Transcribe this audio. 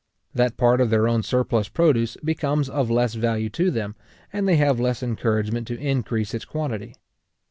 That part of their own surplus produce becomes of less value to them, and they have less encouragement to increase its quantity.